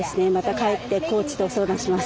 帰って、コーチと相談します。